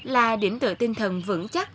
là điểm tựa tinh thần vững chắc